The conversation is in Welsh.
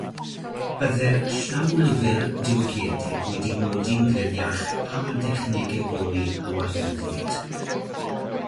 Byddai'r llawlyfr diwygiedig wedi nodi'n gliriach pa dechnegau holi a waherddwyd.